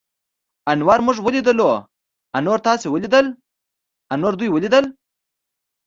انور موږ وليدلو. انور تاسې وليدليٙ؟ انور دوی وليدل.